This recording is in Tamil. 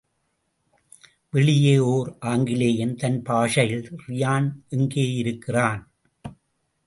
வெளியே ஒர் ஆங்கிலேயன் தன் பாஷையில் ரியான் எங்கேயிருக்கிறான்?